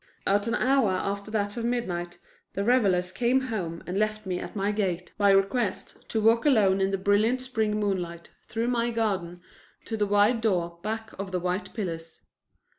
At an hour after that of midnight the revelers came home and left me at my gate, by request, to walk alone in the brilliant spring moonlight through my garden to the wide door back of the white pillars.